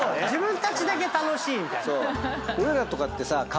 自分たちだけ楽しいみたいな。